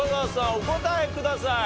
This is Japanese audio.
お答えください。